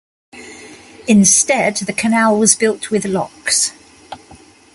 Instead the canal was built with locks.